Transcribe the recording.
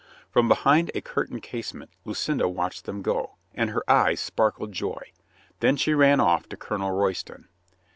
From behind a curtained casement Lucinda watched them go, and her eyes sparkled joy. Then she ran off to Colonel Royston.